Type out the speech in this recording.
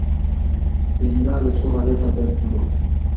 ایندا بھےۡ سوۡ غلط حدت بِھلوۡ۔